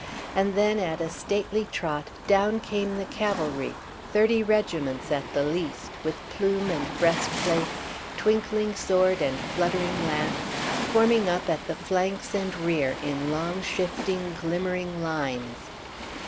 And then at a stately trot down came the cavalry, thirty regiments at the least, with plume and breastplate, twinkling sword and fluttering lance, forming up at the flanks and rear, in long shifting, glimmering lines.